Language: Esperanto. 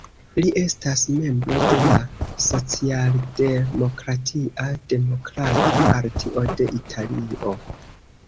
Li estas membro de la socialdemokratia Demokrata Partio de Italio.